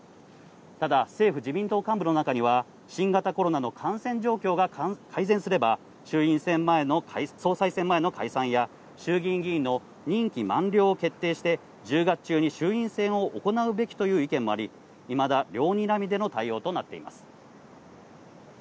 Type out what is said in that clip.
ただ政府自民党幹部の中には新型コロナの感染状況が改善すれば総裁選前の解散や衆議院議員の任期満了を決定して１０月中に衆院選を行うべきという意見もあり、いまだ両にらみでの対応となっています。